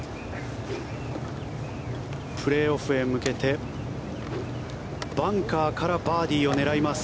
プレーオフへ向けてバンカーからバーディーを狙います。